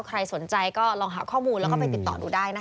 ใครสนใจก็ลองหาข้อมูลแล้วก็ไปติดต่อดูได้นะคะ